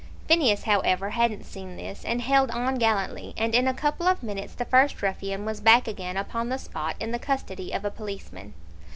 Phineas, however, hadn't seen this, and held on gallantly, and in a couple of minutes the first ruffian was back again upon the spot in the custody of a policeman.